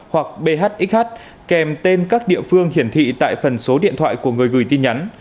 hoặc bhxh kèm tên các địa phương hiển thị tại phần số điện thoại của người gửi tin nhắn